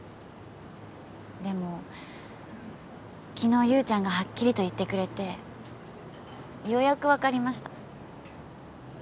でも昨日優ちゃんがはっきりと言ってくれてようやく分かりました。